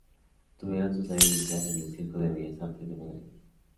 Tuvieron su sede inicial en el Círculo de Bellas Artes de Madrid.